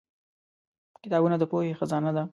کتابونه د پوهې خزانه ده.